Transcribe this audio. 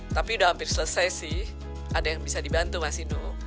tapi udah hampir selesai sih ada yang bisa dibantu mas dino